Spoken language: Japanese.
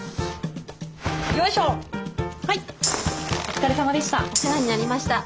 お疲れさまでした。